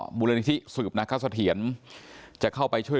เหมือนกับทุกครั้งกลับบ้านมาอย่างปลอดภัย